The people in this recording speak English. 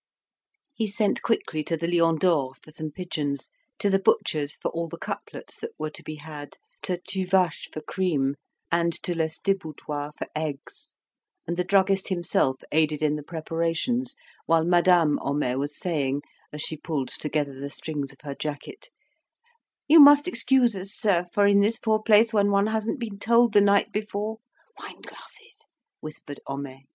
He sent quickly to the "Lion d'Or" for some pigeons; to the butcher's for all the cutlets that were to be had; to Tuvache for cream; and to Lestiboudois for eggs; and the druggist himself aided in the preparations, while Madame Homais was saying as she pulled together the strings of her jacket "You must excuse us, sir, for in this poor place, when one hasn't been told the night before " "Wine glasses!" whispered Homais.